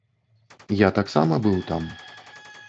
Я таксама быў там.